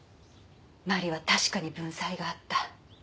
真理は確かに文才があった。